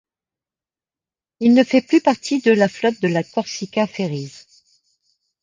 Il ne fait plus partie de la flotte de la Corsica Ferries.